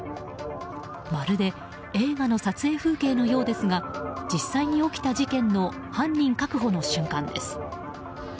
まるで映画の撮影風景のようですが実際に起きた事件の犯人確保の瞬間です。